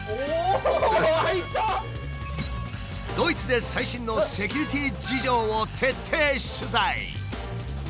ドイツで最新のセキュリティー事情を徹底取材。